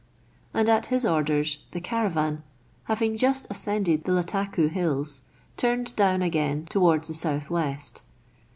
And at his orders, the caravan, having just ascended the Lattakoo hills, turned down again towards the south west.